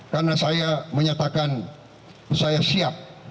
karena saya menyatakan saya siap